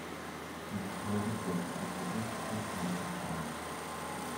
Die Motoren gelten als robust und wartungsarm.